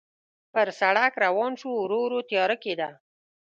پر سړک روان شوو، ورو ورو تیاره کېده.